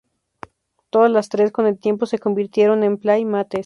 Todas las tres con el tiempo se convirtieron en Playmates.